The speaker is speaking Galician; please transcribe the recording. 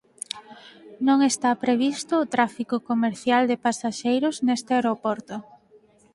Non está previsto o tráfico comercial de pasaxeiros neste aeroporto.